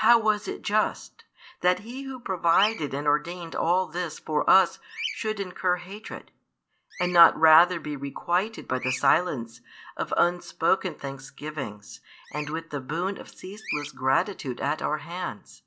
How was it just, that He Who provided and ordained all this for us should incur hatred, and not rather be requited by the silence of unspoken thanksgivings and with the boon of ceaseless gratitude at our hands?